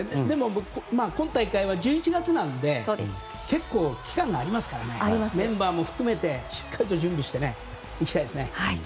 でも、今大会は１１月なので結構、期間がありますからメンバーも含めてしっかりと準備していきたいですね。